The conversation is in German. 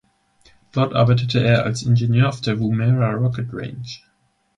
Dort arbeitete er als Ingenieur auf der Woomera Rocket Range.